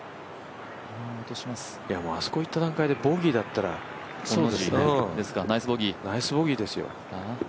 あそこいった段階でボギーだったらナイスボギーですよ。